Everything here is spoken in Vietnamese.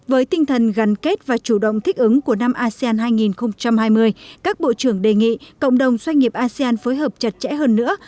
với tinh thần gắn kết và chủ động thích ứng của năm asean hai nghìn hai mươi các bộ trưởng đề nghị cộng đồng doanh nghiệp asean phối hợp chặt chẽ hơn nữa